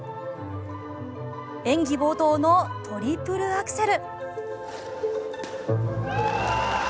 演技冒頭のトリプルアクセル。